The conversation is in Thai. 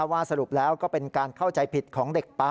สรุปแล้วก็เป็นการเข้าใจผิดของเด็กป๊า